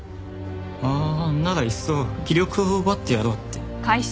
ああならいっそ気力を奪ってやろうって。